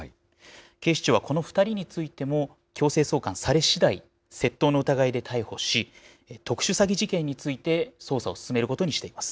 警視庁はこの２人についても、強制送還されしだい、窃盗の疑いで逮捕し、特殊詐欺事件について捜査を進めることにしています。